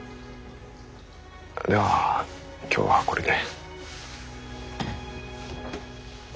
では今日はこれで。